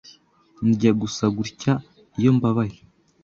Ndya gusa gutya iyo mbabaye.